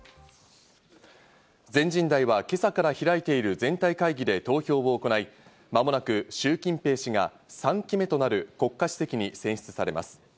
全人代は今朝から開いている全体会議で投票を行い、まもなくシュウ・キンペイ氏が３期目となる国家主席に選出されます。